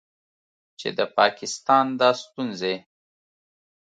چې د پاکستان دا ستونځې